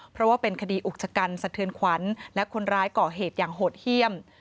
เพราะว่าเป็นคดีอุกชะกันสะเทือนขวัญและคนร้ายก่อเหตุอย่างโหดเยี่ยม